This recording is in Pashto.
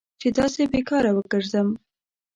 چې داسې بې کاره وګرځم.